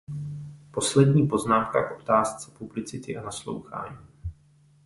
Poslední poznámka k otázce publicity a naslouchání.